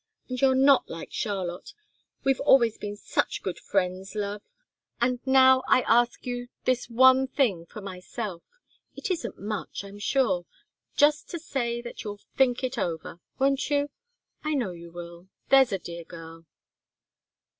And you're not like Charlotte we've always been such good friends, love. And now I ask you this one thing for myself. It isn't much, I'm sure just to say that you'll think it over. Won't you? I know you will there's a dear girl!"